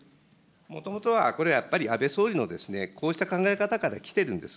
もともとはこれ、やっぱり安倍総理のこうした考え方からきてるんです。